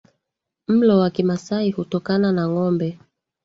mlo wa kimasai hutokana na ngombe